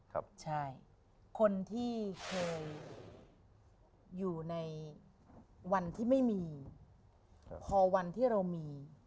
ครับใช่คนที่เคยอยู่ในวันที่ไม่มีพอวันที่เรามี